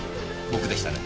僕でしたね。